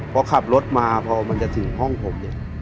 พอขับรถมาพอมันจะถึงห้องผมเนี่ย